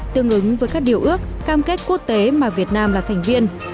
tương ứng với các điều ước cam kết quốc tế mà việt nam là thành viên